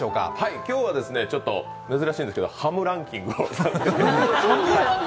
今日は珍しいんですけどハムランキングを。